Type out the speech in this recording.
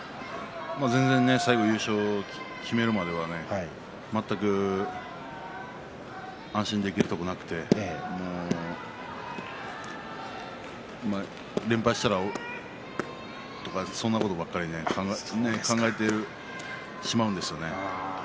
最後、優勝を決めるまでは全く安心できるところなくて連敗したらとかそんなことばかり考えてしまうんですよね。